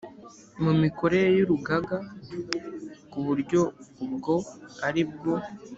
mu mikorere y Urugaga ku buryo ubwo ari bwo